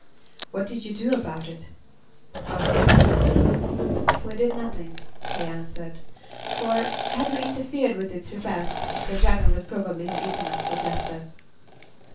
"What did you do about it?" asked the monarch. "We did nothing," they answered; "for, had we interfered with its repast, the Dragon would probably have eaten us for dessert."